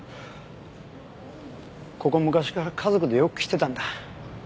ここ昔から家族でよく来てたんだ。